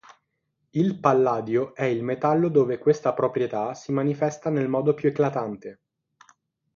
Il palladio è il metallo dove questa proprietà si manifesta nel modo più eclatante.